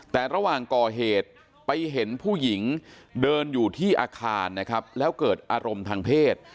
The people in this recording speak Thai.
แต่ระหว่างก่อเหตุไปเห็นผู้หญิงเดินอยู่ที่อาคารนะครับแล้วเกิดอารมณ์ทางเพศ